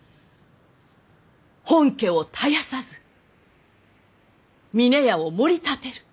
本家を絶やさず峰屋をもり立てる。